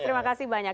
terima kasih banyak